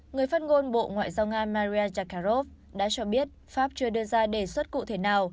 người phát ngôn bộ ngoại giao nga maria zakharov đã cho biết pháp chưa đưa ra đề xuất cụ thể nào